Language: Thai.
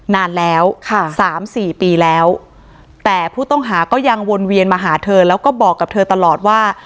นานแล้วค่ะสามสี่ปีแล้วแต่ผู้ต้องหาก็ยังวนเวียนมาหาเธอแล้วก็บอกกับเธอตลอดว่า